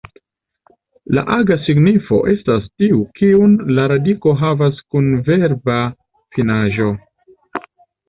La aga signifo estas tiu, kiun la radiko havas kun verba finaĵo.